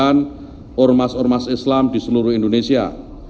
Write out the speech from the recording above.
dan perwakilan ormas ormas islam di seluruh indonesia